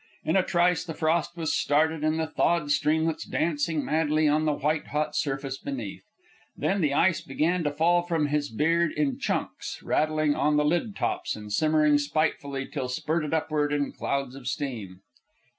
In a trice the frost was started and the thawed streamlets dancing madly on the white hot surface beneath. Then the ice began to fall from is beard in chunks, rattling on the lid tops and simmering spitefully till spurted upward in clouds of steam.